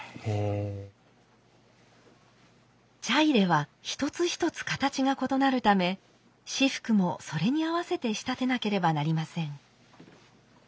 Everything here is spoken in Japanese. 茶入は一つ一つ形が異なるため仕覆もそれに合わせて仕立てなければなりません。